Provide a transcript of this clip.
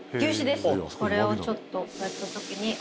これをちょっとこうやった時に。